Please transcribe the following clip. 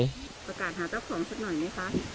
ประกาศหาเจ้าของสักหน่อยไหมคะ